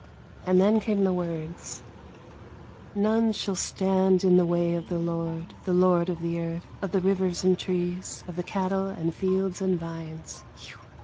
And then came the words :" None shall stand in the way of the lord, The lord of the Earth — of the rivers and trees, Of the cattle and fields and vines